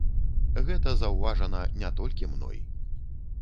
Гэта заўважана не толькі мной.